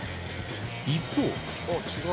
一方。